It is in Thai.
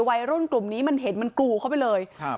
วัยรุ่นกลุ่มนี้มันเห็นมันกรูเข้าไปเลยครับ